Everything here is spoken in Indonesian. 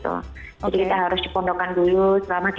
oke jadi kita harus dipondokkan dulu selama tiga hari